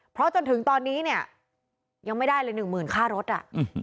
เพราะจนถึงตอนนี้เนี่ยยังไม่ได้เลยหนึ่งหมื่นค่ารถอ่ะ